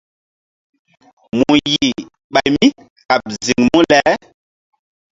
Mu yih ɓay mí kaɓ ziŋ mu le?